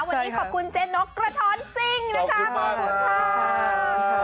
วันนี้ขอบคุณเจ๊นกและกระท้อนซิ่งขอบคุณมาก